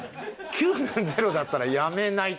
９年ゼロだったらやめないと。